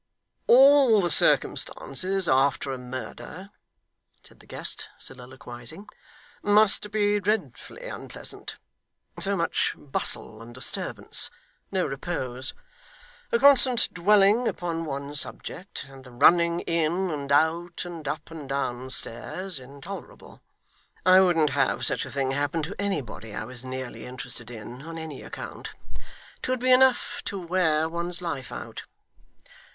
'All the circumstances after a murder,' said the guest soliloquising, 'must be dreadfully unpleasant so much bustle and disturbance no repose a constant dwelling upon one subject and the running in and out, and up and down stairs, intolerable. I wouldn't have such a thing happen to anybody I was nearly interested in, on any account. 'Twould be enough to wear one's life out.